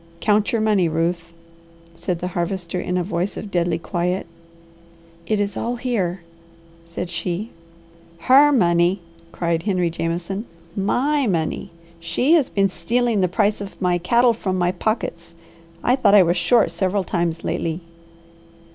"Count your money, Ruth?" said the Harvester in a voice of deadly quiet. "It is all here," said she. "Her money?" cried Henry Jameson. "My money! She has been stealing the price of my cattle from my pockets. I thought I was short several times lately."